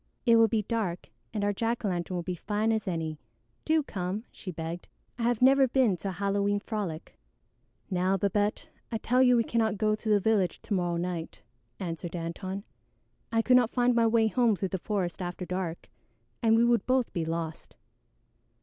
It will be dark and our jack o' lantern will be as fine as any. Do come," she begged, "I have never been to a Halloween frolic." "Now, Babette, I tell you we cannot go to the village to morrow night," answered Antone. "I could not find my way home through the forest after dark, and we would both be lost.